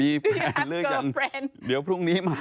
ที่สนชนะสงครามเปิดเพิ่ม